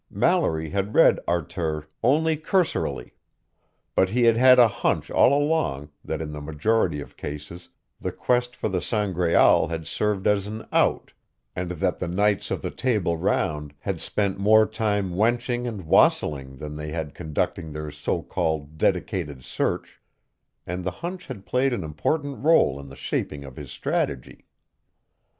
Mallory had read "Arthur" only cursorily, but he had had a hunch all along that in the majority of cases the quest for the Sangraal had served as an out, and that the knights of the Table Round had spent more time wenching and wassailing than they had conducting their so called dedicated search, and the hunch had played an important role in the shaping of his strategy.